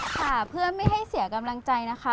ค่ะเพื่อไม่ให้เสียกำลังใจนะคะ